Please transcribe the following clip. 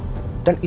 dia udah kebanyakan